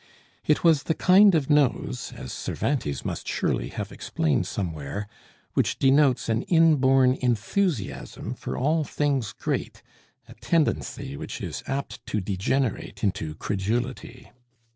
It was the kind of nose, as Cervantes must surely have explained somewhere, which denotes an inborn enthusiasm for all things great, a tendency which is apt to degenerate into credulity.